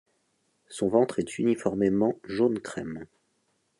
Son ventre est uniformément jaune crème.